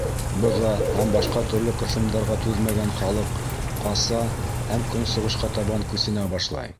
Быға һәм башҡа төрлө ҡыҫымдарға түҙмәгән халыҡ ҡаса һәм көнсығышҡа табан күсенә башлай.